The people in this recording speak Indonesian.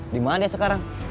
di mana sekarang